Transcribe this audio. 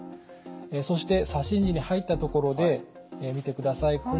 そして左心耳に入ったところで見てください。